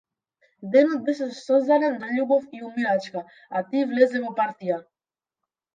Денот беше создаден за љубов и умирачка, а ти влезе во партија.